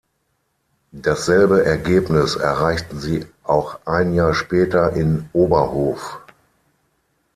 Dasselbe Ergebnis erreichten sie auch ein Jahr später in Oberhof.